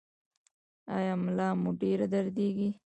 ایا ملا مو ډیره دردیږي؟